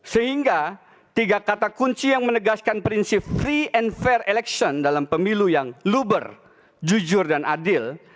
sehingga tiga kata kunci yang menegaskan prinsip free and fair election dalam pemilu yang luber jujur dan adil